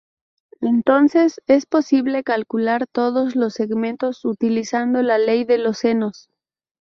Entonces es posible calcular todos los segmentos utilizando la ley de los senos.